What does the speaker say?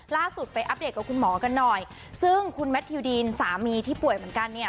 ล่าสุดไปอัปเดตกับคุณหมอกันหน่อยซึ่งคุณแมททิวดีนสามีที่ป่วยเหมือนกันเนี่ย